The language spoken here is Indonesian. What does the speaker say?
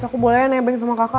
aku boleh ya nebeng sama kakak ya